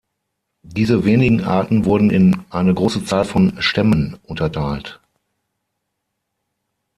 Diese wenigen Arten wurden in eine große Zahl von „Stämmen“ unterteilt.